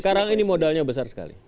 sekarang ini modalnya besar sekali